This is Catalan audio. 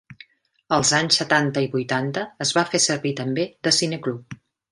Els anys setanta i vuitanta es va fer servir també de Cineclub.